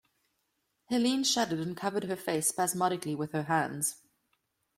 Helene shuddered and covered her face spasmodically with her hands.